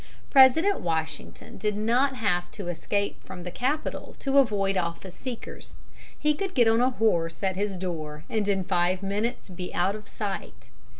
President Washington did not have to escape from the capital to avoid office seekers. He could get on a horse at his door and in five minutes be out of sight.